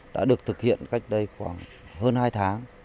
đã được thực hiện cách đây khoảng hơn hai tháng